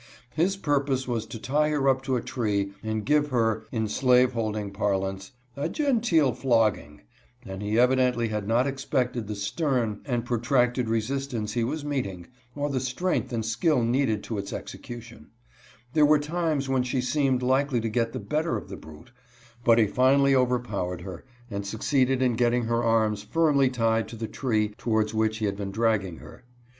His purpose was to tie her up to a tree and give her, in slave holding par lance, a " genteel flogging," and he evidently had not ex pected the stern and protracted resistance he was meet ing, or the strength and skill needed to its execution. There were times when she seemed likely to get the bet ter of the brute, but he finally overpowered her and sue UNLAMENTED DEATH OP AN OVERSEER. 59 ceeded in getting her arms firmly tied to the tree towards which he had been dragging her.